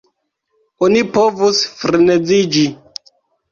Oni povus freneziĝi.